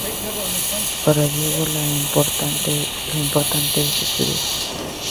Para Diego lo importante es estudiar.